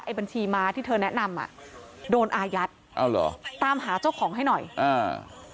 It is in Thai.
บัญชีม้าที่เธอแนะนำอ่ะโดนอายัดเอาเหรอตามหาเจ้าของให้หน่อยอ่า